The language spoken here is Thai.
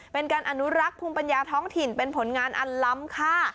เป็นการอนุรักษ์ภูมิปัญญาท้องถิ่นเป็นผลงานอันล้ำค่ะ